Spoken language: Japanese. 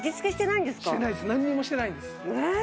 なんにもしてないんです。